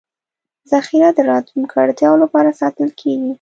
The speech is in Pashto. ذخیره د راتلونکو اړتیاوو لپاره ساتل کېږي.